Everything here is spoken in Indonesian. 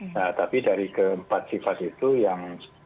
nah tapi dari keempat sifat itu yang